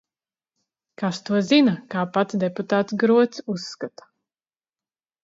Kas to zina, kā pats deputāts Grots uzskata.